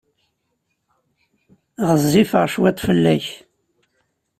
Ɣezzifeɣ cwiṭ fell-ak.